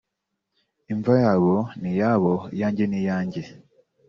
imva yabo ni iyabo iyanjye ni iyanjye